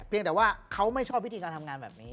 แต่ว่าเขาไม่ชอบวิธีการทำงานแบบนี้